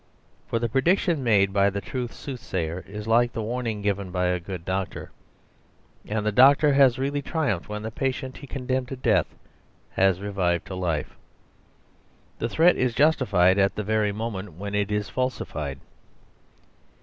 For the prediction made by the true soothsayer is like the warning given by a good doctor. And the doctor has really triumphed when the patient he condemned to death has revived to life. The threat is justified at the very moment when it is falsified.